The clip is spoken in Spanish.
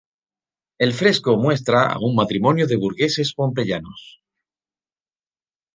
El fresco muestra a un matrimonio de burgueses pompeyanos.